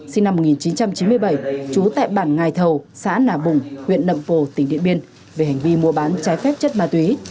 sinh năm một nghìn chín trăm chín mươi bảy trú tại bản ngài thầu xã nà bùng huyện nậm pồ tỉnh điện biên về hành vi mua bán trái phép chất ma túy